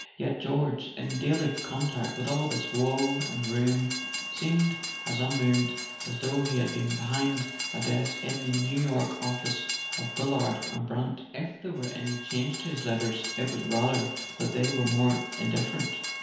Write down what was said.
Yet George, in daily contact with all this woe and ruin, seemed as un¬ moved as though he had been behind a desk in the New York office of Bullard and Brant. If there were any change in his letters it was rather that they were more indifferent.